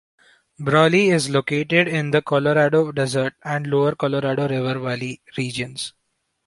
Brawley is located in the Colorado Desert and Lower Colorado River Valley regions.